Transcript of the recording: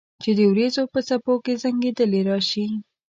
چې د اوریځو په څپو کې زنګیدلې راشي